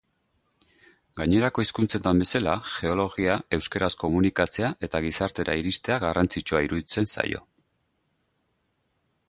Gainerako hizkuntzetan bezala, geologia euskaraz komunikatzea eta gizartera iristea garrantsitsua iruditzen zaio.